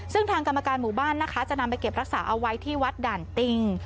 ซึ่งทางกรรมการหมู่บ้านนะคะจะนำไปเก็บรักษาเอาไว้ที่วัดด่านติง